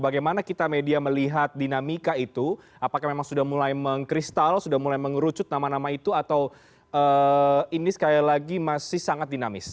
bagaimana kita media melihat dinamika itu apakah memang sudah mulai mengkristal sudah mulai mengerucut nama nama itu atau ini sekali lagi masih sangat dinamis